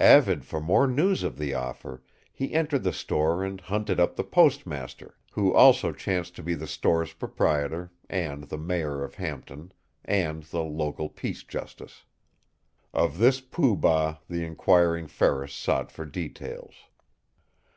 Avid for more news of the offer, he entered the store and hunted up the postmaster, who also chanced to be the store's proprietor and the mayor of Hampton and the local peace justice. Of this Pooh Bah the inquiring Ferris sought for details.